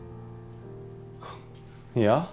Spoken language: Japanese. いや。